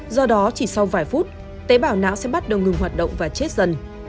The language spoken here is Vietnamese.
do đó chỉ sau vài phút tế bào não sẽ bắt đầu ngừng hoạt động và chết dần